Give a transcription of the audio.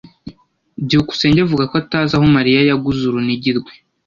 byukusenge avuga ko atazi aho Mariya yaguze urunigi rwe.